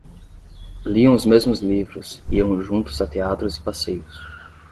Liam os mesmos livros, iam juntos a teatros e passeios.